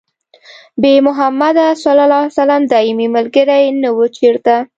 بې محمده ص دايمي ملګري نه وو چېرته